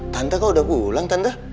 tante kok udah pulang tante